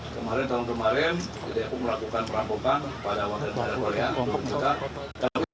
kemarin tahun kemarin dia pun melakukan perampokan pada warga negara korea